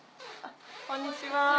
こんにちは。